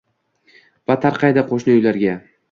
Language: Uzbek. va tarqaydi qoʼshni uylarga